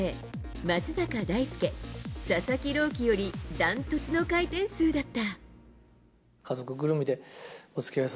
松坂大輔、佐々木朗希よりダントツの回転数だった。